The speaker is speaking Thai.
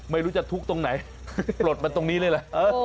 ไม่รู้จะทุกข์ตรงไหนปลดมาตรงนี้เลยล่ะ